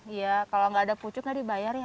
iya kalau nggak ada pucuk nggak dibayar ya